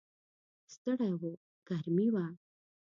ستړي و، ګرمي وه.